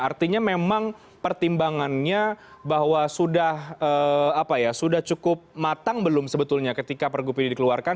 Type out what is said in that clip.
artinya memang pertimbangannya bahwa sudah cukup matang belum sebetulnya ketika pergub ini dikeluarkan